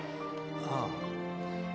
ああ。